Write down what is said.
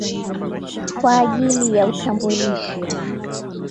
kwa ajili ya utambulisho.